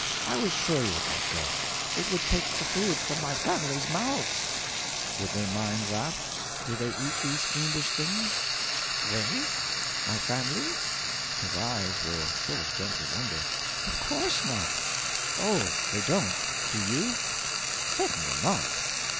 I was sure you would not go; it would take the food from my family's mouths.' 'Would they mind that? Do they eat these fiendish things?' 'They? My family?' His eyes were full of gentle wonder. 'Of course not.' 'Oh, they don't! Do you?' 'Certainly not.'